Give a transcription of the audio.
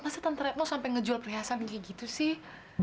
masa tante retno sampai ngejual prihasa minggi gitu sih